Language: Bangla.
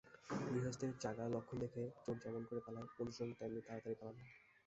গৃহস্থের জাগার লক্ষণ দেখে চোর যেমন করে পালায় মধুসূদন তেমনি তাড়াতাড়ি পালাল।